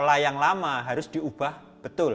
pola yang lama harus diubah betul